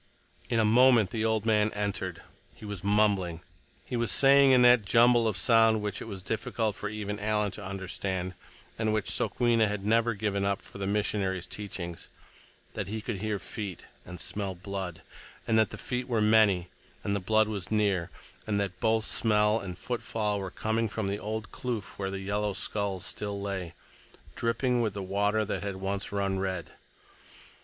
In a moment the old man entered. He was mumbling. He was saying, in that jumble of sound which it was difficult for even Alan to understand—and which Sokwenna had never given up for the missionaries' teachings—that he could hear feet and smell blood; and that the feet were many, and the blood was near, and that both smell and footfall were coming from the old kloof where yellow skulls still lay, dripping with the water that had once run red.